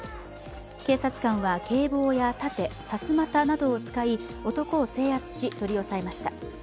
警察官は警棒や盾さすまたなどを使い男を制圧し取り押さえました。